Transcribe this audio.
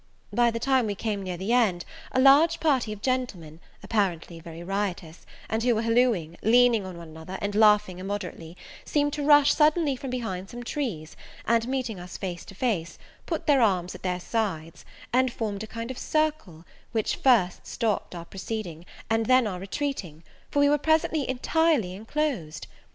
By the time we came near the end, a large party of gentlemen, apparently very riotous, and who were hallooing, leaning on one another, and laughing immoderately, seemed to rush suddenly from behind some trees, and meeting us face to face, put their arms at their sides, and formed a kind of circle, which first stopped our proceeding, and then our retreating, for we were presently entirely enclosed.